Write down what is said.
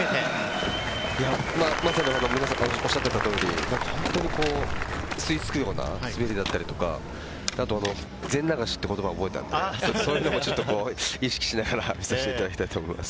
まさにおっしゃっていた通り、本当に吸いつくような滑りだったりとか、全流しという言葉を覚えたんで、そういうのも意識しながら、させていただきたいと思います。